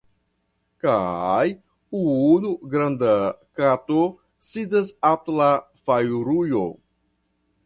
Kaj unu granda kato sidas apud la fajrujo.